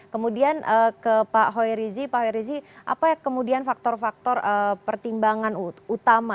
kemudian ke pak hoeri zee pak hoeri zee apa kemudian faktor faktor pertimbangan utama